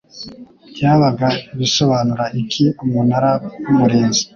byabaga bisobanura iki Umunara w Umurinzi